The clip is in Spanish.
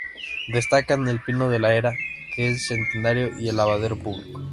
Destacan "El Pino de la Era", que es centenario, y el lavadero público.